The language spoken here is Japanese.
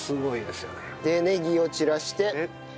でネギを散らして。